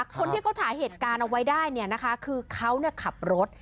คนที่เขาถ่ายเหตุการณ์เอาไว้ได้เนี่ยนะคะคือเขาขับรถ